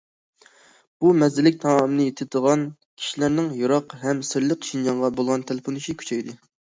بۇ مەززىلىك تائامنى تېتىغان كىشىلەرنىڭ يىراق ھەم سىرلىق شىنجاڭغا بولغان تەلپۈنۈشى كۈچەيدى.